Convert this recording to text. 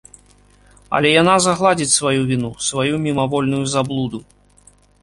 Але яна загладзіць сваю віну, сваю мімавольную заблуду!